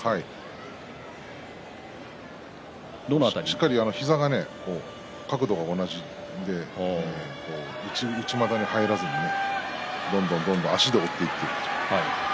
しっかり膝が、角度が同じで内股に入らずにどんどんどんどん足で追っていっている。